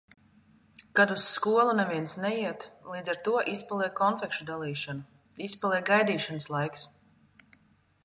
Kad uz skolu neviens neiet, līdz ar to izpaliek konfekšu dalīšana, izpaliek gaidīšanas laiks.